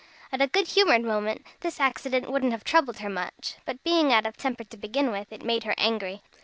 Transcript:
At a good humored moment, this accident wouldn't have troubled her much. But being out of temper to begin with, it made her angry.